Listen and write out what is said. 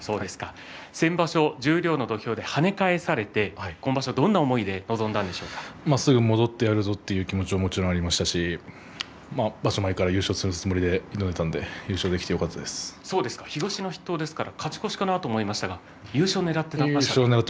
先場所十両の土俵で跳ね返されて、今場所はすぐに戻ってやるぞという気持ちはもちろんありましたし場所前から優勝する気持ちだったので東の筆頭ですから勝ち越しかなと思ったんですが優勝をねらっていたんですね。